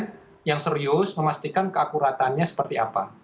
kemudian yang serius memastikan keakuratannya seperti apa